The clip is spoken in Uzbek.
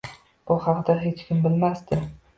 Bu haqda hech kim bilmasdi.